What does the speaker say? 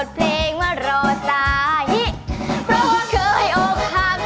เพราะว่าเคยออกหัก